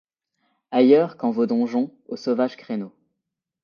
Ailleurs qu'en vos donjons aux sauvages créneaux